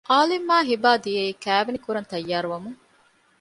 އާލިމްއާއި ހިބާ ދިޔައީ ކައިވެނި ކުރަން ތައްޔާރު ވަމުން